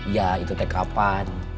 ya itu tek kapan